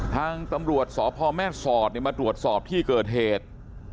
ทางตำรวจสพแม่สอดมาตรวจสอบที่เกิดเหตุ